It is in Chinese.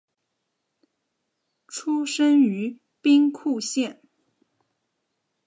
出身于兵库县。